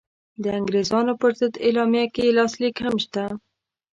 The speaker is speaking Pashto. د انګرېزانو پر ضد اعلامیه کې یې لاسلیک هم شته.